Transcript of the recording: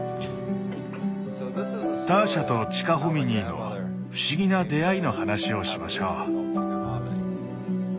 ターシャとチカホミニーの不思議な出会いの話をしましょう。